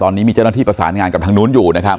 ตอนนี้มีเจ้าหน้าที่ประสานงานกับทางนู้นอยู่นะครับ